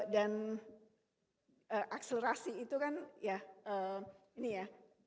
dan akselerasi itu kan ini ya